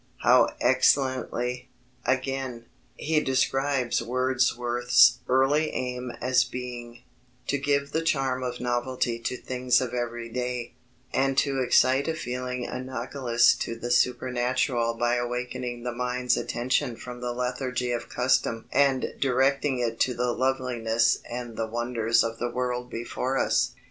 How excellently, again, he describes Wordsworth's early aim as being to give the charm of novelty to things of every day, and to excite a feeling analogous to the supernatural by awakening the mind's attention from the lethargy of custom and directing it to the loveliness and the wonders of the world before us.